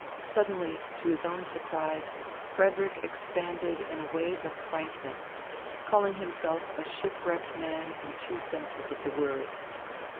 Suddenly, to his own surprise Frederick expanded in a wave of frankness, calling himself a shipwrecked man in two senses of the word.